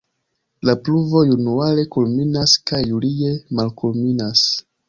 La pluvo januare kulminas kaj julie malkulminas.